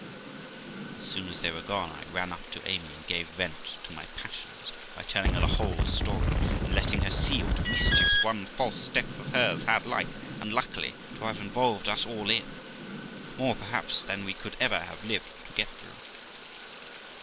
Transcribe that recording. As soon as they were gone, I ran up to Amy, and gave vent to my passions by telling her the whole story, and letting her see what mischiefs one false step of hers had like, unluckily, to have involved us all in; more, perhaps, than we could ever have lived to get through.